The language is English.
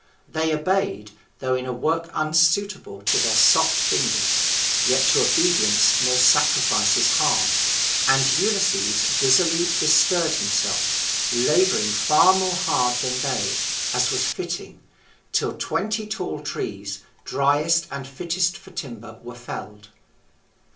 They obeyed, though in a work unsuitable to their soft fingers, yet to obedience no sacrifice is hard; and Ulysses busily bestirred himself, labouring far more hard than they, as was fitting, till twenty tall trees, driest and fittest for timber, were felled.